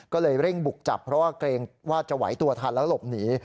ก็เลยเร่งบุกจับเพราะว่าเกรงว่าจะไหวตัวทันแล้วหลบหนี